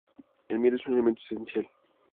El miedo es un elemento esencial.